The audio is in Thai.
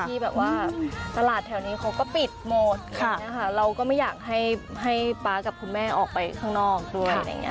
ที่แบบว่าตลาดแถวนี้เขาก็ปิดหมดเราก็ไม่อยากให้ป๊ากับคุณแม่ออกไปข้างนอกด้วยอะไรอย่างเงี้